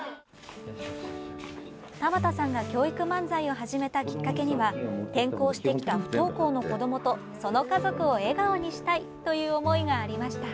田畑さんが教育漫才を始めたきっかけには転校してきた不登校の子どもとその家族を笑顔にしたいという思いがありました。